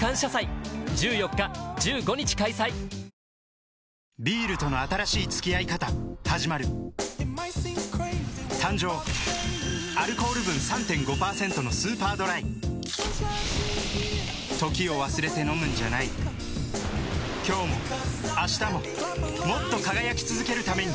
ペイトクビールとの新しい付き合い方はじまる誕生Ａｌｃ．分３．５％のスーパードライ時を忘れて飲むんじゃない今日も明日ももっと輝き続けるために